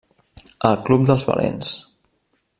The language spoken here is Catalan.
El club dels valents.